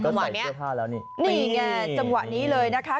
ผู้หญิงก็ใส่เสื้อผ้าแล้วนี่นี่ไงจังหวะนี้เลยนะคะ